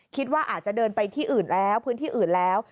คิดว่าอาจจะเดินไปที่อื่นแล้วพื้นที่อื่นแล้ว